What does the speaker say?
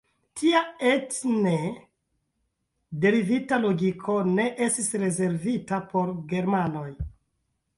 Tia etne derivita logiko ne estis rezervita por Germanoj.